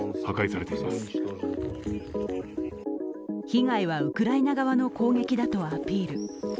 被害はウクライナ側の攻撃だとアピール。